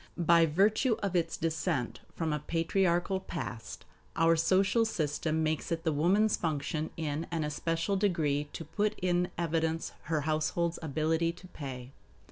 By virtue of its descent from a patriarchal past, our social system makes it the woman's function in an especial degree to put in evidence her household's ability to pay.